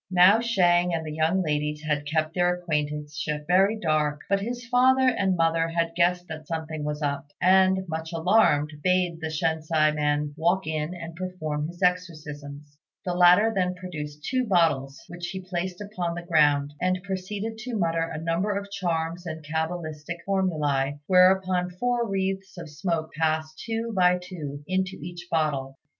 Now Shang and the young ladies had kept their acquaintanceship very dark; but his father and mother had guessed that something was up, and, much alarmed, bade the Shensi man walk in and perform his exorcisms. The latter then produced two bottles which he placed upon the ground, and proceeded to mutter a number of charms and cabalistic formulæ; whereupon four wreaths of smoke passed two by two into each bottle.